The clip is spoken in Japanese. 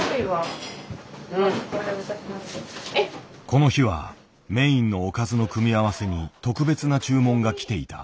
この日はメインのおかずの組み合わせに特別な注文が来ていた。